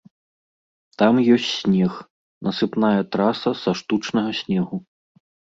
Там ёсць снег, насыпная траса са штучнага снегу.